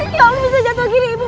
kamu bisa jatuh gini ibu